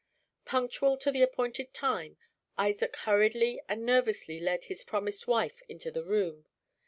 Punctual to the appointed time, Isaac hurriedly and nervously led his promised wife into the room.